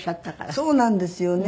そうなんですよね。